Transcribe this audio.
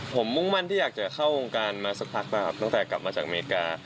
ผมมุ่งมั่นที่อยากจะเข้าวงการมาสักพักบ้างครับตั้งแต่กลับมาจากอเมริกา